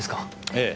ええ。